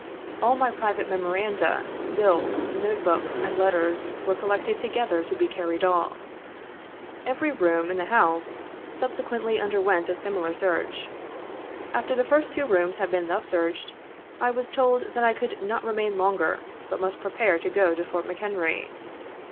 All my private memoranda, bills, note books, and letters were col lected together to be carried off. Every room in the house subsequently underwent a similar search. After the first two rooms had been thus searched, I was told that I could not remain longer, but must prepare to go to Fort McHenry.